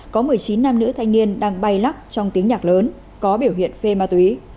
có một mươi chín nam nữ thanh niên đang bay lắc trong tiếng nhạc lớn có biểu hiện phê ma túy